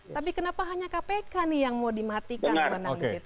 tapi kenapa hanya kpk nih yang mau dimatikan ke undang undang di situ